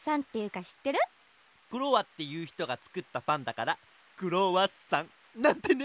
クロワっていう人が作ったパンだからクロワッサン。なんてね。